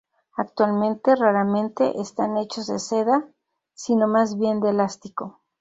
Actualmente, raramente están hechos de seda sino más bien de elástico.